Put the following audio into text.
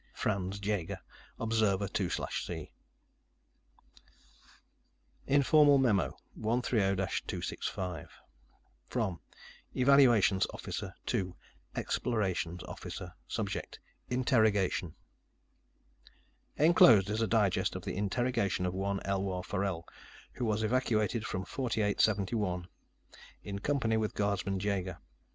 Franz Jaeger Observer 2/c INFORMAL MEMO 130 265 From: Evaluations Officer To: Explorations Officer Subject: Interrogation Enclosed is a digest of the interrogation of one, Elwar Forell, who was evacuated from forty eight seventy one, in company with Guardsman Jaeger.